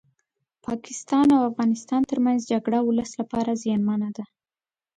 پاکستان او افغانستان ترمنځ جګړه ولس لپاره زيانمنه ده